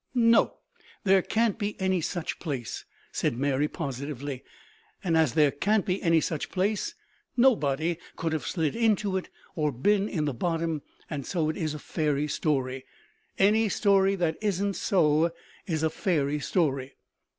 "No, there can't be any such place," said Mary positively, "and as there can't be any such place, nobody could have slid into it or been in the bottom, and so it is a fairy story. Any story that isn't so is a fairy story."